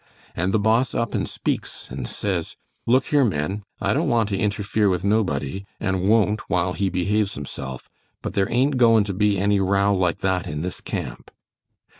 And the Boss up and speaks and says, 'Look here, men, I don't want to interfere with nobody, and won't while he behaves himself, but there ain't goin' to be any row like that in this camp.